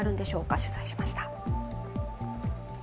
取材しました。